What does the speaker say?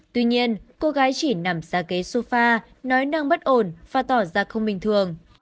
tuy nhiên cô gái chỉ nằm xa ghế sofa nói năng bất ổn và tỏ ra không bình thường